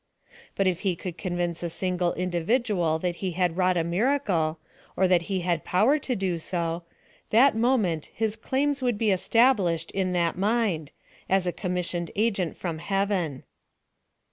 But if he could convince a single individual that he had wrought a miracle, or that he had power to do so, that moment his claims would be established, in that mind, as a commis sioned agent from heaven.